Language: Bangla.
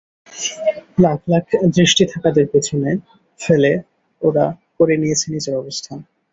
লাখ লাখ দৃষ্টি থাকাদের পেছনে ফেলে ওরা করে নিয়েছে নিজের অবস্থান।